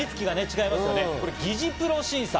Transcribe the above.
これ、疑似プロ審査。